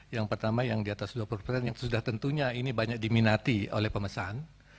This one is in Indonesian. yang pertama yang di atas dua puluh persen yang sudah tentunya ini banyak diminati oleh pemesan